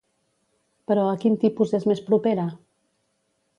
Però a quin tipus és més propera?